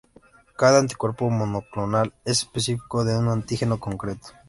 Cada anticuerpo monoclonal es específico de un antígeno concreto.